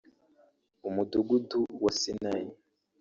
umudugudu wa Sinayi